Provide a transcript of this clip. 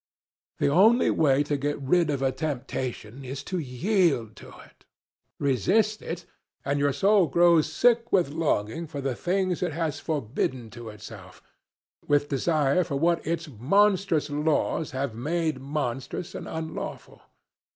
The only way to get rid of a temptation is to yield to it. Resist it, and your soul grows sick with longing for the things it has forbidden to itself, with desire for what its monstrous laws have made monstrous and unlawful.